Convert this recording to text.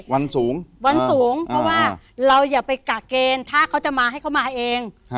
วันสูงวันสูงเพราะว่าเราอย่าไปกะเกณฑ์ถ้าเขาจะมาให้เขามาเอง